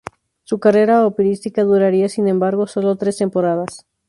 Su carrera operística duraría, sin embargo, sólo tres temporadas.